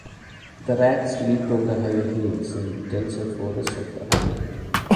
The rats lived on the higher hills and denser forests of the island.